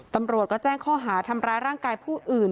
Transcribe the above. ตำรวจก็แจ้งข้อหาทำร้ายร่างกายผู้อื่น